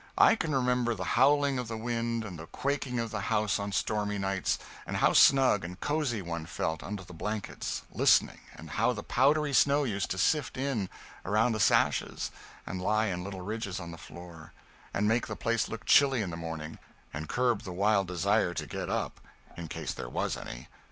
I can remember the howling of the wind and the quaking of the house on stormy nights, and how snug and cozy one felt, under the blankets, listening, and how the powdery snow used to sift in, around the sashes, and lie in little ridges on the floor, and make the place look chilly in the morning, and curb the wild desire to get up in case there was any.